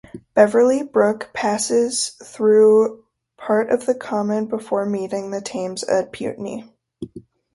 Beverley Brook passes through part of the common before meeting the Thames at Putney.